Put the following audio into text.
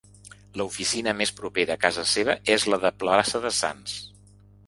La oficina més propera a casa seva és la de plaça de Sants.